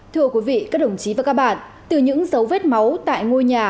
thưa quý vị các đồng chí và các bạn từ những dấu vết máu tại ngôi nhà